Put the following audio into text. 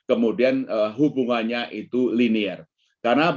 mengkongsi transaksi eksek baterai juga yang mempengaruhi keseluruhan bidang ekib